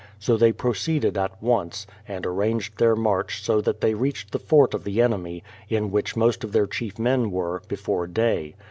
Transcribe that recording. So they proceeded at once, and arranged their march so that they reached the fort of the enemy, in which most of their chief men were, before day.